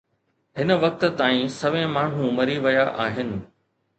هن وقت تائين سوين ماڻهو مري ويا آهن